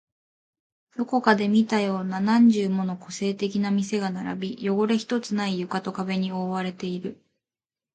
どこかで見たような何十もの個性的な店が並び、汚れ一つない床と壁に覆われている